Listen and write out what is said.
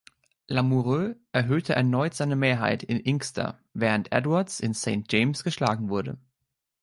Lamoureux erhöhte erneut seine Mehrheit in Inkster, während Edwards in Saint James geschlagen wurde.